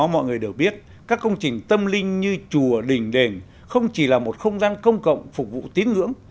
mọi người đều biết các công trình tâm linh như chùa đình đền không chỉ là một không gian công cộng phục vụ tín ngưỡng